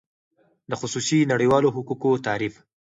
د خصوصی نړیوالو حقوقو تعریف :